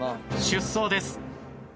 出走です。